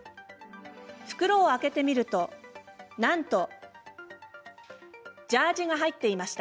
袋を開けてみるとなんとジャージが入っていました。